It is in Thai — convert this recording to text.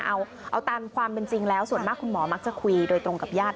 เอาตามความเป็นจริงแล้วส่วนมากคุณหมอมักจะคุยโดยตรงกับญาติ